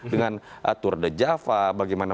dengan atur the java bagaimana